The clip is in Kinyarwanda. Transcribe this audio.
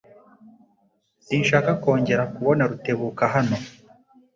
Sinshaka kongera kubona Rutebuka hano.